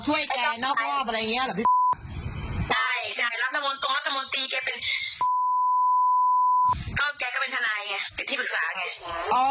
ใจใช่รัฐมนตร์ตรงรัฐมนตร์ตีใกล่เป็น